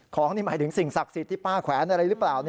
ของนี่หมายถึงสิ่งศักดิ์สิทธิ์ที่ป้าแขวนอะไรหรือเปล่า